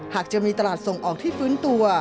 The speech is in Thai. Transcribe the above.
หากจะมีตลาดส่งออกที่ฟื้นตัว